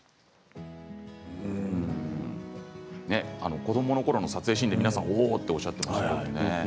子どものころの撮影シーンで皆さんおおっとおっしゃっていましたね。